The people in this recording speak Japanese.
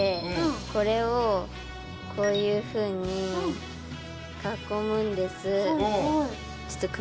これをこういうふうに囲むんです。